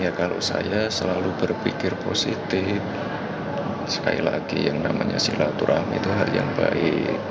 ya kalau saya selalu berpikir positif sekali lagi yang namanya silaturahmi itu hari yang baik